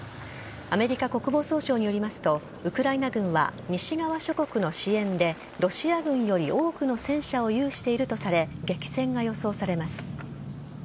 アメリカ国防総省によりますとウクライナ軍は西側諸国の支援でロシア軍より多くの戦車を有しているとされ激戦が予想されます。